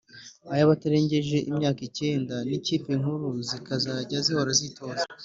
iy’Abatarengeje imyaka icyenda n’Ikipe Nkuru zikazajya zihora zitoza